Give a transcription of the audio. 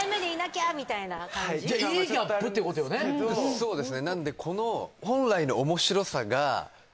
そうですね